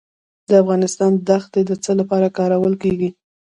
د افغانستان دښتې د څه لپاره کارول کیږي؟